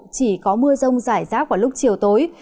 chỉ có mưa rông rải rác vào lúc chiều tối